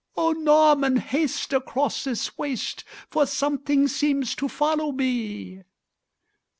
"O Norman, haste across this waste For something seems to follow me!"